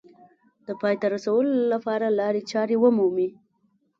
د پای ته رسولو لپاره لارې چارې ومومي